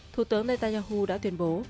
thủ tướng netanyahu đã tuyên bố